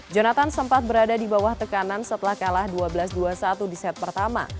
jonathan sempat berada di bawah tekanan setelah kalah dua belas dua puluh satu di set pertama